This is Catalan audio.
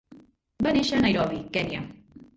Va néixer a Nairobi, Kenya.